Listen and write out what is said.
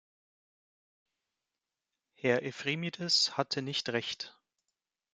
Herr Ephremidis hatte nicht recht.